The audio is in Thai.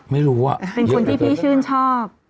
ไม่รู้เป็นคนที่พี่ชื่นชอบ